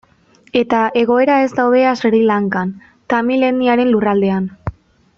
Eta egoera ez da hobea Sri Lankan, tamil etniaren lurraldean.